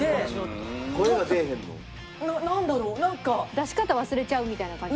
出し方忘れちゃうみたいな感じ？